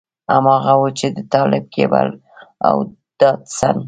هماغه و چې د طالب کېبل او ډاټسن.